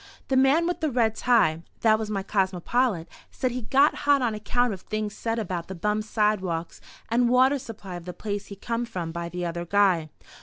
"The man with the red tie" (that was my cosmopolite), said he, "got hot on account of things said about the bum sidewalks and water supply of the place he come from by the other guy."